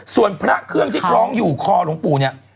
ส่วนพระเครื่องที่คล้องอยู่คอหลวงปู่เนี่ย